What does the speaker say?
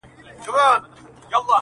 o پنډ ئې مه گوره ايمان ئې گوره.